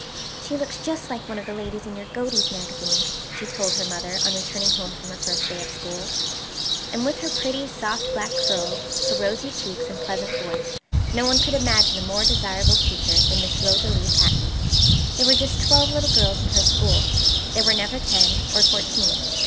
"She looks just like one of the ladies in your 'Godey's Magazine,'" she had told her mother, on returning home from her first day at school. And with her pretty soft black curls, her rosy cheeks and pleasant voice, no one could imagine a more desirable teacher than Miss Rosalie Pattten. There were just twelve little girls in her school. There were never ten, or fourteen.